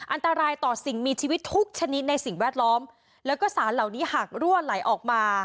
อันตรายต่อสิ่งมีชีวิตทุกชนิดในสิ่งแวดล้อมแล้วก็สารเหล่านี้หากรั่วไหลออกมา